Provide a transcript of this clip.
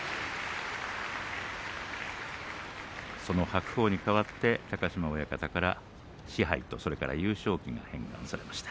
その白鵬に代わって高島親方から賜盃と優勝旗が返還されました。